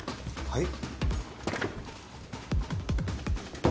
はい。